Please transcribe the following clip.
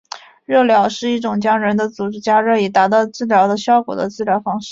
热疗是一种将人的组织加热以达到治疗的效果的治疗方式。